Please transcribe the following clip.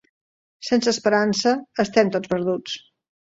Sense esperança, estem tots perduts.